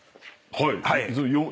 はい。